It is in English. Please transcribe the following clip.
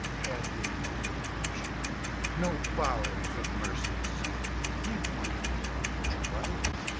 Had we no compassion, no bowels of mercies? He wanted to harm nobody.